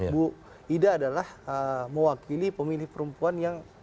bu ida adalah mewakili pemilih perempuan yang